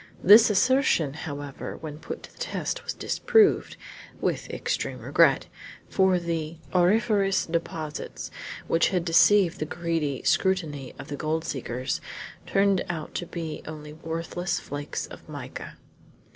This assertion, however, when put to the test, was disproved, and with extreme regret, for the auriferous deposits which had deceived the greedy scrutiny of the gold seekers turned out to be only worthless flakes of mica!